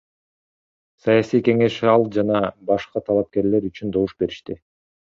Саясий кеңеш ал жана башка талапкерлер үчүн добуш беришти.